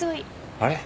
あれ？